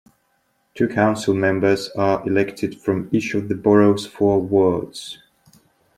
Two council members are elected from each of the borough's four wards.